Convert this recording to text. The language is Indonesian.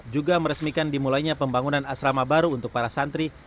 juga meresmikan dimulainya pembangunan asrama baru untuk para santri